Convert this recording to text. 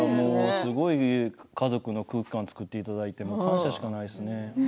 すごい、いい家族の空間を作っていただいて感謝しかないですね。